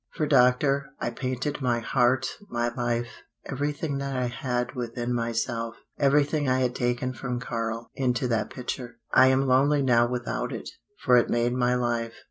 For doctor, I painted my heart, my life, everything that I had within myself, everything I had taken from Karl, into that picture. I am lonely now without it, for it made my life.